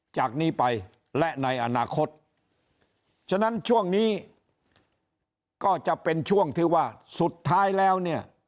จากนี้ไปและในอนาคตฉะนั้นช่วงนี้ก็จะเป็นช่วงที่ว่าสุดท้ายแล้วเนี่ย